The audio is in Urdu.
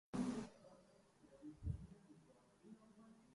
ہوں میں وہ داغ کہ پھولوں میں بسایا ہے مجھے